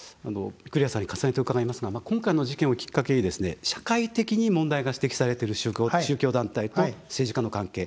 御厨さんに重ねて伺いますが今回の事件をきっかけに社会的に問題が指摘されてる宗教団体と政治家の関係。